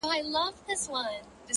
خپل هدف ته وفادار اوسئ.